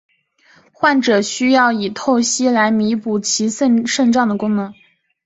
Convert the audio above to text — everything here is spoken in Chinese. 患者需要以透析来弥补其肾脏的功能。